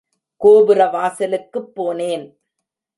கோபுர வாசலுக்குப் போனேன்.